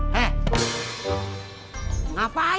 lo jualan kamu